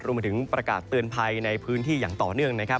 มาถึงประกาศเตือนภัยในพื้นที่อย่างต่อเนื่องนะครับ